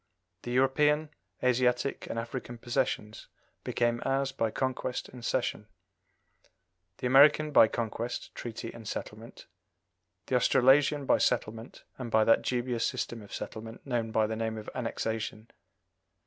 The European, Asiatic, and African possessions became ours by conquest and cession; the American by conquest, treaty, and settlement; the Australasian by settlement, and by that dubious system of settlement known by the name of annexation.